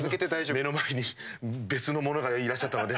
私の目の前に別の者がいらっしゃったので。